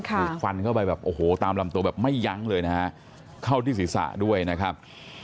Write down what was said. ถูกฟันเข้าไปแบบโอ้โหตามลำตัวแบบไม่ยั้งเลยนะฮะเข้าที่ศีรษะด้วยนะครับ